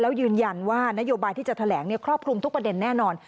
แล้วยืนยันว่านโยบายที่จะแถลงครอบคลุมทุกประเด็นแน่นอน